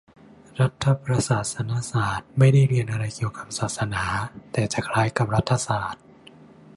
รัฐประศาสนศาสตร์ ไม่ได้เรียนอะไรเกี่ยวกับศาสนา แต่จะคล้ายกับรัฐศาสตร์